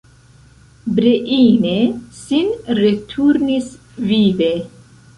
Breine sin returnis vive.